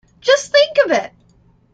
Just think of it!